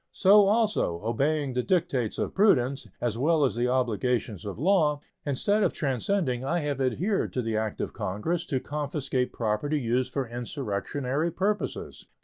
So also, obeying the dictates of prudence, as well as the obligations of law, instead of transcending I have adhered to the act of Congress to confiscate property used for insurrectionary purposes.